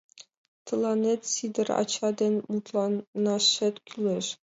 Тыланет Сидыр ача дене мутланашет кӱлеш.